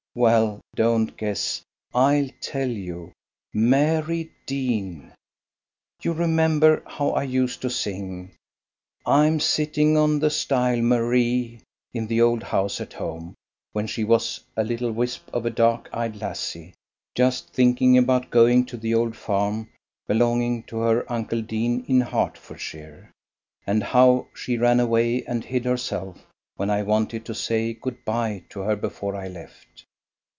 Well, don't guess. I'll tell you. Mary Deane. You remember how I used to sing: "I'm sitting on the stile, Ma ree," in the old house at home, when she was a little wisp of a dark eyed lassie, just thinking about going to the old farm belonging to her Uncle Deane, in Herefordshire; and how she ran away and hid herself when I wanted to say "good bye" to her before I left.